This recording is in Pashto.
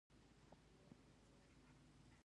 په هر حال اوږد اوړي وحشي نباتاتو ته جذابیت ور بخښلی و